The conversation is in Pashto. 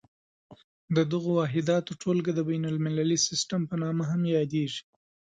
د دغو واحداتو ټولګه د بین المللي سیسټم په نامه هم یادیږي.